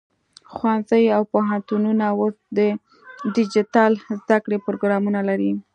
ښوونځي او پوهنتونونه اوس د ډیجیټل زده کړې پروګرامونه لري.